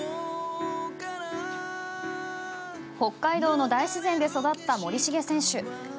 北海道の大自然で育った森重選手。